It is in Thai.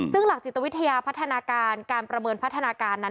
ซึ่งหลักจิตวิทยาพัฒนาการการประเมินพัฒนาการนั้น